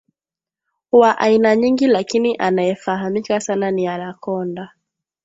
wa aina nyingi lakini anayefahamika sana ni Anacconda